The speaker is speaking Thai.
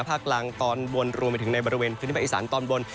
ภาคล้างตอนบนรวมไปถึงในบริเวณพื้นที่แบบอิษรรค์ตอนบน